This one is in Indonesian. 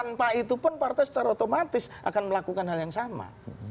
karena tanpa itu pun partai secara otomatis akan melakukan hal yang sama